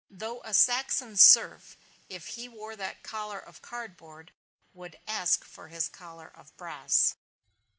Though a Saxon serf, if he wore that collar of cardboard, would ask for his collar of brass.